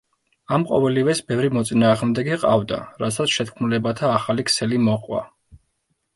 ამ ყოველივეს ბევრი მოწინააღმდეგე ჰყავდა, რასაც შეთქმულებათა ახალი ქსელი მოჰყვა.